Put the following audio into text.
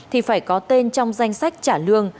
thì phải có tên trong danh sách trả lương